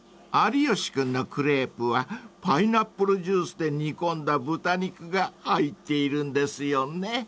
［有吉君のクレープはパイナップルジュースで煮込んだ豚肉が入っているんですよね］